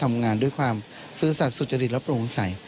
ทำงานด้วยโฆษัทสุจริตและโภงสรรค์ใส